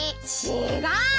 ちがう！